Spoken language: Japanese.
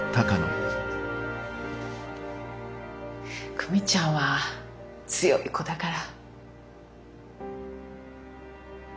久美ちゃんは強い子だから。